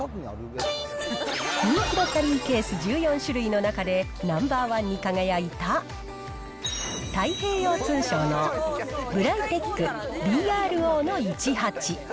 人気のキャリーケース１４種類の中で、ナンバー１に輝いた太平洋通商のブライテックＢＲＯー１８。